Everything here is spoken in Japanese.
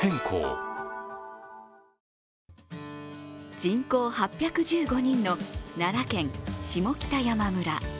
人口８１５人の奈良県下北山村。